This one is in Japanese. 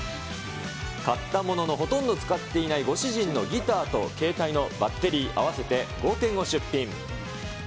買ったものの、ほとんど使っていないご主人のギターと携帯のバッテリー、合わせて５点を出品。